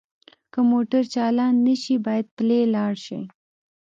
که موټر چالان نه شي باید پلی لاړ شئ